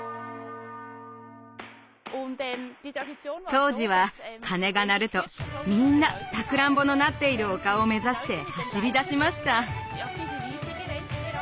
当時は鐘が鳴るとみんなさくらんぼのなっている丘を目指して走りだしました。